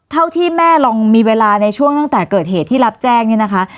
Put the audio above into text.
เท่าที่แม่ลองมีเวลาในช่วงตั้งแต่เกิดเหตุที่รับแจ้งเนี่ยนะคะ